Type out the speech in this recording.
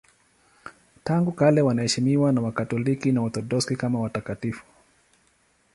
Tangu kale wanaheshimiwa na Wakatoliki na Waorthodoksi kama watakatifu.